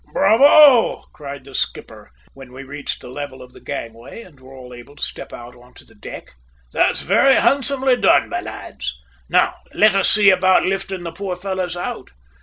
"Bravo!" cried the skipper when we reached the level of the gangway and were all able to step out on to the deck. "That's very handsomely done, my lads! Now let us see about lifting the poor fellows out.